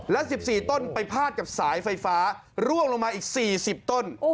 และสิบสี่ต้นไปพาดกับสายไฟฟ้าร่วงลงมาอีกสี่สิบต้น